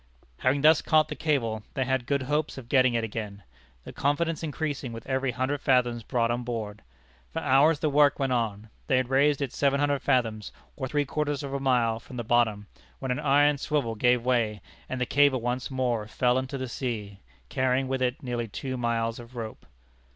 Having thus caught the cable, they had good hopes of getting it again, their confidence increasing with every hundred fathoms brought on board. For hours the work went on. They had raised it seven hundred fathoms or three quarters of a mile from the bottom, when an iron swivel gave way, and the cable once more fell back into the sea, carrying with it nearly two miles of rope.